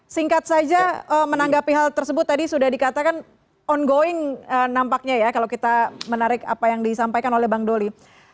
singkat saja menanggapi hal tersebut tadi sudah dikatakan ongoing nampaknya ya kalau kita menarik apa yang disampaikan oleh bang doli